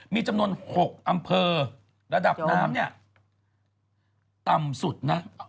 มีจำนวน๖อำเภอระดับน้ำเนี่ยต่ำสุดนะ